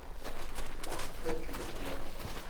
Ad k-ḍefṛeɣ.